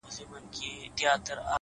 • چي د ښارونو جنازې وژاړم,